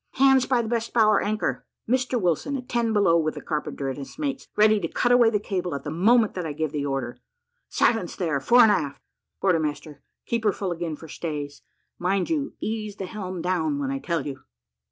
Hands by the best bower anchor. Mr Wilson, attend below with the carpenter and his mates, ready to cut away the cable at the moment that I give the order. Silence, there, fore and aft. Quarter master, keep her full again for stays. Mind you ease the helm down when I tell you."